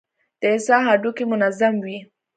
د انسان هډوکى منظم وي.